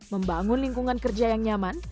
membangun lingkungan kerja yang nyaman